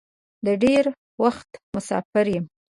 د ډېره وخته مسافر یم.